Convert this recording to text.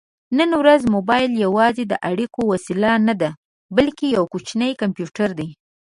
نن ورځ مبایل یوازې د اړیکې وسیله نه ده، بلکې یو کوچنی کمپیوټر دی.